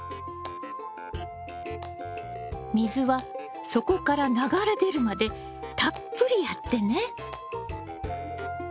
水は底から流れ出るまでたっぷりやってね。